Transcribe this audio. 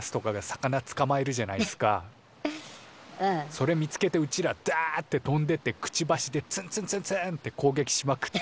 それ見つけてうちらダって飛んでってくちばしでツンツンツンツンってこうげきしまくって。